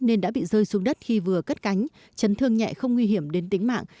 nên đã bị rơi xuống đất khi vừa cất cánh chấn thương nhẹ không nguy hiểm đến tính mạng